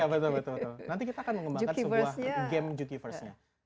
betul betul nanti kita akan mengembangkan sebuah game jukiverse nya